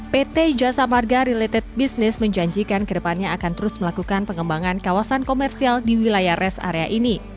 pt jasa marga related business menjanjikan kedepannya akan terus melakukan pengembangan kawasan komersial di wilayah rest area ini